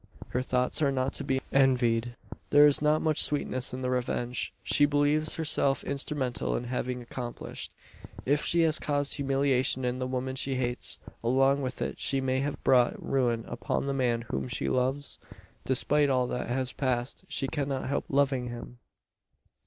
Her thoughts are not to be envied. There is not much sweetness in the revenge, she believes herself instrumental in having accomplished. If she has caused humiliation to the woman she hates, along with it she may have brought ruin upon the man whom she loves? Despite all that has passed, she cannot help loving him!